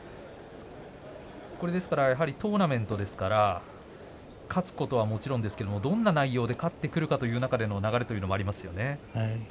やはりトーナメントですから勝つことは、もちろんですけどどんな内容で勝ってくるかという中での流れもありますね。